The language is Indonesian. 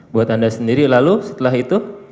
buat anda sendiri lalu setelah itu